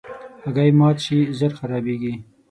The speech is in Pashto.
هګۍ مات شي، ژر خرابیږي.